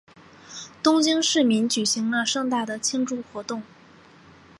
东京市民举行了盛大的庆祝活动。